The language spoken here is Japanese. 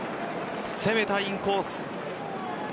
攻めたインコース。